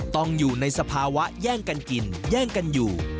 ต้องอยู่ในสภาวะแย่งกันกินแย่งกันอยู่